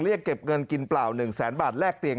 เรียกเก็บเงินกินเปล่า๑แสนบาทแลกเตียง